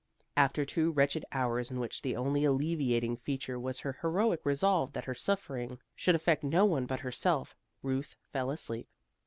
After two wretched hours in which the only alleviating feature was her heroic resolve that her suffering should affect no one but herself Ruth fell asleep.